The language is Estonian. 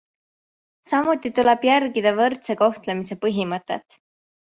Samuti tuleb järgida võrdse kohtlemise põhimõtet.